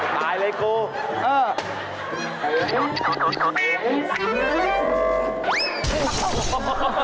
ตายเลยกูเออ